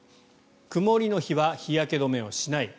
曇りの日は日焼け止めをしない。